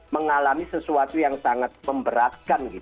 mengalami sesuatu yang sangat memberatkan